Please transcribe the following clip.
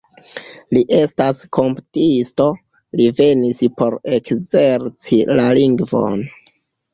Li estas komputisto, li venis por ekzerci la lingvon.